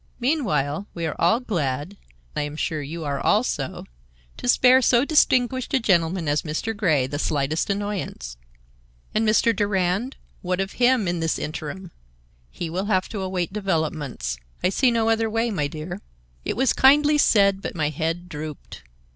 Meanwhile, we are all glad—I am sure you are also—to spare so distinguished a gentleman as Mr. Grey the slightest annoyance." "And Mr. Durand? What of him in this interim?" "He will have to await developments. I see no other way, my dear." It was kindly said, but my head drooped.